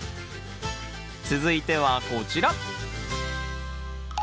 続いてはこちら！